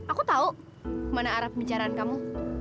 aku tau kemana arah pembicaraan kamu